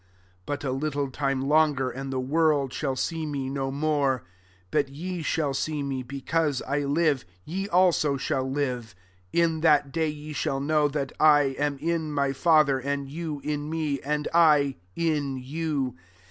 19 " But a little time longer, and the world shall see me no more ; but ye shall see me: be cause I live, ye also shall live. 20 In that day, ye shall know that I am in my Father, and you in me^ and I in you.